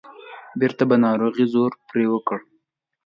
بیرته به ناروغۍ زور پرې وکړ.